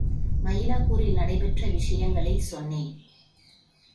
மயிலாப்பூரில் நடைபெற்ற விஷயங்களைச் சொன்னேன்.